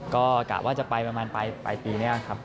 ก็กะว่าจะไปประมาณปลายปีนี้ครับ